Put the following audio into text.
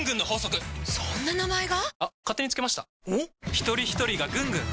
ひとりひとりがぐんぐん！